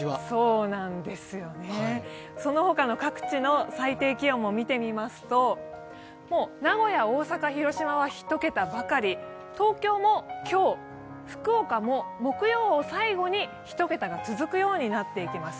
その他の各地の最低気温も見てみますと、名古屋、大阪、広島は１桁ばかり東京も今日、福岡も木曜を最後に１桁が続くようになっていきます。